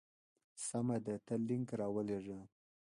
سمه ده ته لینک راولېږه.